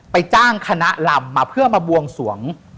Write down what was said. จ้างคณะลำมาเพื่อมาบวงสวง